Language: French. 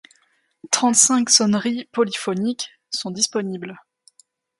Trente cinq sonneries polyphoniques sont disponibles.